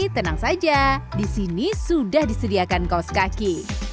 tenang saja di sini sudah disediakan kaos kaki